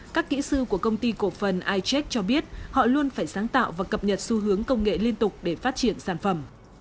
các kỹ sư của công ty cổ phần itrack cho biết họ luôn phải sáng tạo và cập nhật xu hướng công nghệ liên tục để phát triển sản phẩm